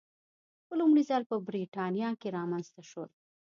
په لومړي ځل په برېټانیا کې رامنځته شول.